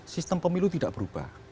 sistem pemilu tidak berubah